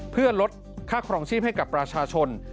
เพื่อลดค่าครองชีพให้กับประชาชน